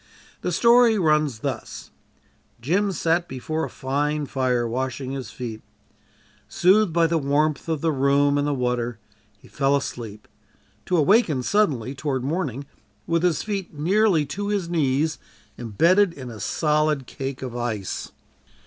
The story runs thus: Jim sat before a fine fire washing his feet. Soothed by the warmth of the room and the water, he fell asleep to awaken suddenly toward morning with his feet nearly to his knees embedded in a solid cake of ice!